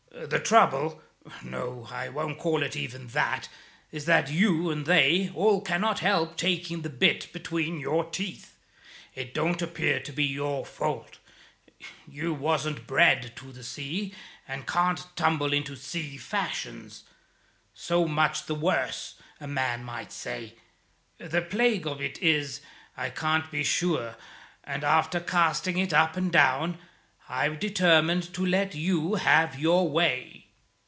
The trouble no, I won't call it even that is that you and they all cannot help taking the bit between your teeth. It don't appear to be your fault; you wasn't bred to the sea, and can't tumble to sea fashions. 'So much the worse,' a man might say. The plague of it is, I can't be sure; and after casting it up and down, I've determined to let you have your way."